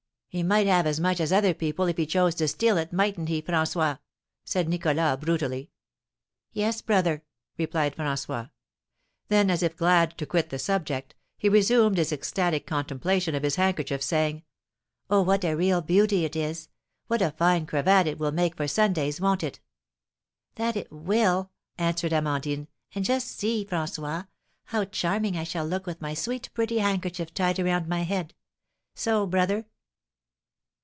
"He might have as much as other people if he chose to steal it, mightn't he, François?" said Nicholas, brutally. "Yes, brother," replied François. Then, as if glad to quit the subject, he resumed his ecstatic contemplation of his handkerchief, saying: "Oh, what a real beauty it is! What a fine cravat it will make for Sundays, won't it?" "That it will," answered Amandine. "And just see, François, how charming I shall look with my sweet pretty handkerchief tied around my head, so, brother."